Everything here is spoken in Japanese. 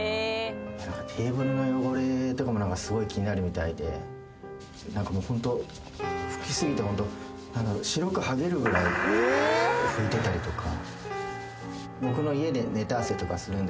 テーブルの汚れとかも何かすごい気になるみたいで拭き過ぎてホント白くはげるぐらい拭いてたりとか。